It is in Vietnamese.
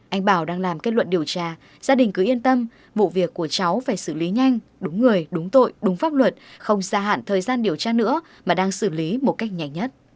anh bảo đang làm kết luận điều tra gia đình cứ yên tâm vụ việc của cháu phải xử lý nhanh đúng người đúng tội đúng pháp luật không gia hạn thời gian điều tra nữa mà đang xử lý một cách nhanh nhất